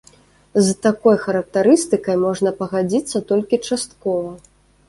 З такой характарыстыкай можна пагадзіцца толькі часткова.